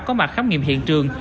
có mặt khám nghiệm hiện trường